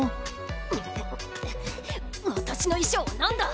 むむ私の衣装は何だ！